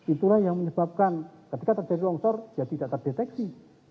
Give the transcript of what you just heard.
itulah yang menyebabkan ketika terjadi longsor dia tidak terdeteksi